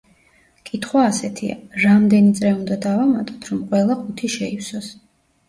კითხვა ასეთია — რამდენი წრე უნდა დავამატოთ, რომ ყველა ყუთი შეივსოს?